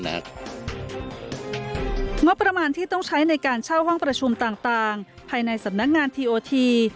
งบประมาณที่ต้องใช้ในการเช่าห้องประชุมต่างภายในสำนักงานทีโอที